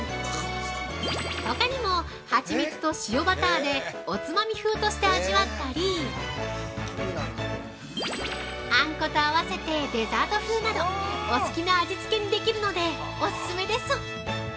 ほかにも、蜂蜜と塩バターでおつまみ風として味わったりあんこと合わせてデザート風などお好きな味つけにできるのでオススメです。